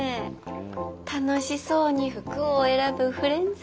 楽しそうに服を選ぶフレンズ。